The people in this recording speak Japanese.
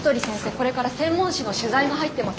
これから専門誌の取材が入ってます。